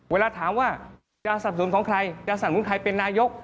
เวลาถามว่าจะสับสนุนของใครจะสนับสนุนใครเป็นนายก